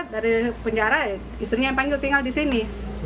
dari penjara istrinya yang panggil tinggal di sini